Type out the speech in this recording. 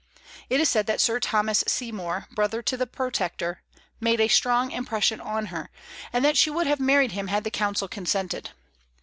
It is said that Sir Thomas Seymour, brother to the Protector, made a strong impression on her, and that she would have married him had the Council consented.